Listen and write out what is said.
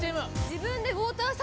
自分で。